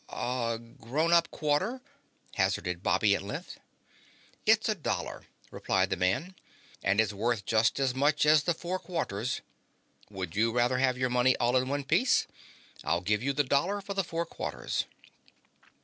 "A grown up quarter," hazarded Bobby at length. "It's a dollar," replied the man, "and is worth just as much as the four quarters. Would you rather have your money all in one piece? I'll give you the dollar for the four quarters."